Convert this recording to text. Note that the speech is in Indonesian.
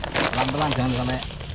pelan pelan jangan sampai